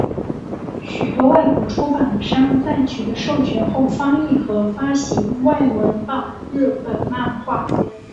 许多外国出版商在取得授权后翻译和发行外文版日本漫画。